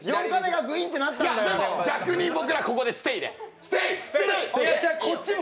でも逆に僕らここでステイで。